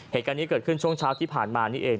เหตุการณ์นี้เกิดขึ้นช่วงเช้าที่ผ่านมานี่เอง